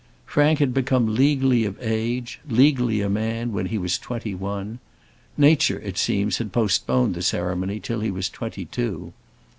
Frank had become legally of age, legally a man, when he was twenty one. Nature, it seems, had postponed the ceremony till he was twenty two.